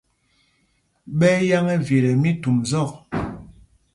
Ɓɛ́ ɛ́ yâŋ ɛvit ɛ mí Thumzɔ̂k.